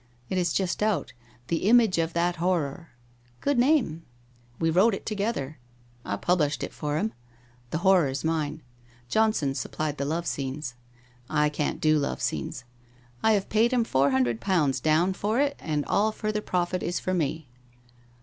It is just out, " The Image of that Horror." ' 1 Good name/ 'We wrote it together. 1 published it for him. The horror's mine. Johnson supplied the love scenes. I can't do love scenes. I have paid him four hundred pounds down for it and all farther profit is for me.'